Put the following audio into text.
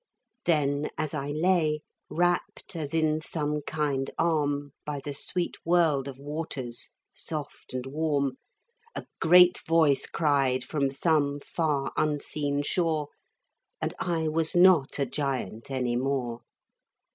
Then, as I lay, wrapped as in some kind arm By the sweet world of waters soft and warm, A great voice cried, from some far unseen shore, And I was not a giant any more.